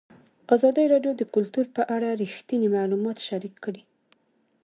ازادي راډیو د کلتور په اړه رښتیني معلومات شریک کړي.